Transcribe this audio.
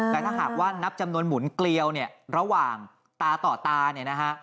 แต่ถ้าหากว่านับจำนวนหมุนเกลียวเนี่ยระหว่างตาต่อตาเนี่ยนะฮะ